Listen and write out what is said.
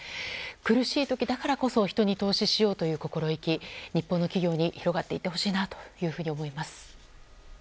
苦しい時だからこそ人に投資しようという心意気が日本の企業に広がっていってほしいなと思います。